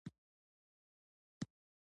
دا سیند له شماله راځي.